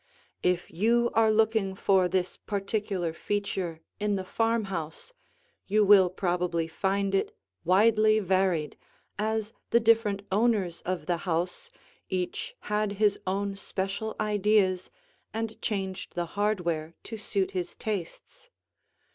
If you are looking for this particular feature in the farmhouse, you will probably find it widely varied, as the different owners of the house each had his own special ideas and changed the hardware to suit his tastes.